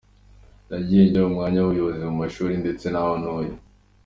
nagiye njya mu myanya y’ubuyobozi mu mashuri, ndetse n’aho ntuye.